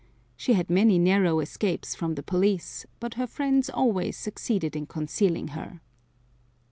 She had many narrow escapes from the police, but her friends always succeeded in concealing her.